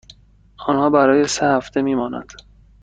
آنها برای سه هفته می مانند.